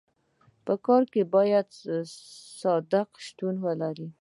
په کار کي باید صداقت شتون ولري.